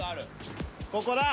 ここだ。